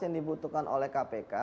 yang dibutuhkan oleh kpk